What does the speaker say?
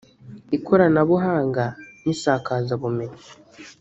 Ikoranabuhanga n’Isakazabumenyi